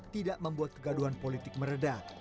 tidak membuat kegaduhan politik meredah